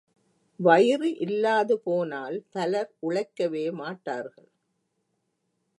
வயிறு இல்லாது போனால் பலர் உழைக்கவே மாட்டார்கள்.